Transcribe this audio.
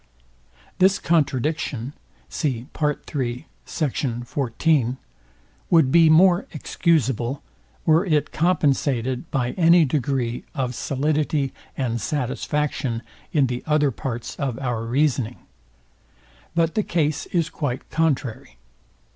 Sect. 4. This contradiction would be more excusable, were it compensated by any degree of solidity and satisfaction in the other parts of our reasoning. But the case is quite contrary.